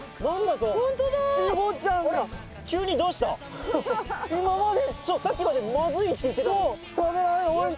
そうさっきまでまずいって言ってたのに。